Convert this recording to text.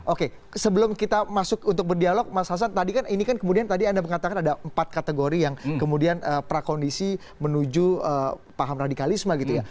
oke sebelum kita masuk untuk berdialog mas hasan tadi kan ini kan kemudian tadi anda mengatakan ada empat kategori yang kemudian prakondisi menuju paham radikalisme gitu ya